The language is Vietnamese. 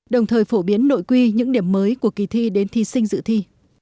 đồng thời phổ biến nội quy những điểm mới của kỳ thi đến thi sinh dự thi